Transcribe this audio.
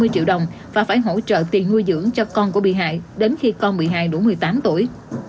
tuổi và phải hỗ trợ tiền nuôi dưỡng cho con của bị hại đến khi con bị hại đủ một mươi tám tuổi